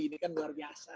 ini kan luar biasa